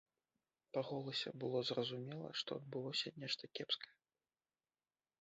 Па голасе было зразумела, што адбылося нешта кепскае.